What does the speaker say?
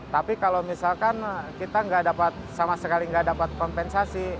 tapi kalau misalkan kita sama sekali nggak dapat kompensasi